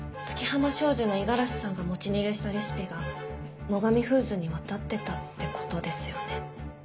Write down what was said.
月浜商事の五十嵐さんが持ち逃げしたレシピが野上フーズに渡ってたってことですよね。